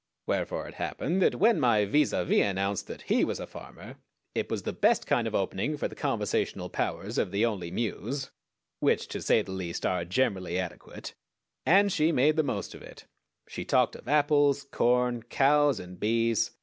Wherefore it happened that when my vis à vis announced that he was a farmer it was the best kind of opening for the conversational powers of the Only Muse which to say the least are generally adequate and she made the most of it. She talked of apples, corn, cows, and bees.